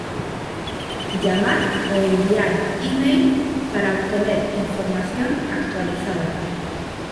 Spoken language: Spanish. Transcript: Llamar o enviar E-mail para obtener información actualizada.